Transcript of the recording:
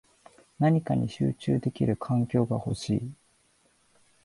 何かに集中できる環境が欲しい